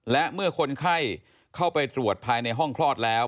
และเมื่อคนไข้เข้าไปตรวจภายในห้องคลอดแล้ว